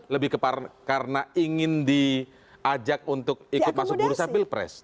lebih kepada karena ingin diajak untuk ikut masuk bursa pilpres